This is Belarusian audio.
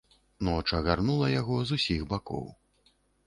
Ноч агарнула яго з усіх бакоў.